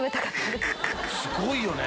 すごいよね！